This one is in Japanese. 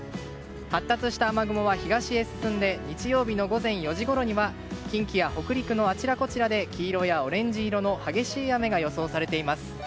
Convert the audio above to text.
発達した雨雲は東に進んで日曜日の午前４時ごろには近畿や北陸のあちらこちらで黄色やオレンジ色の激しい雨が予想されています。